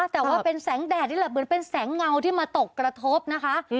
แต่ว่าเป็นแสงแดดนี่แหละเหมือนเป็นแสงเงาที่มาตกกระทบนะคะ